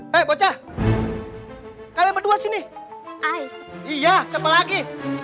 hai eh bocah kalian berdua sini iya siapa lagi